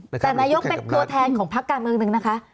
แต่นายกเป็นตัวแทนของพักการเมืองหนึ่งนะคะ